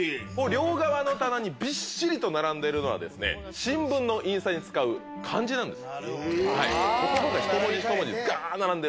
両側の棚にびっしりと並んでるのは新聞の印刷に使う漢字なんです。